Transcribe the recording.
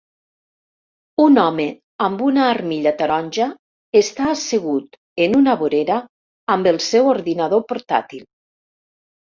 Un home amb una armilla taronja està assegut en una vorera amb el seu ordinador portàtil.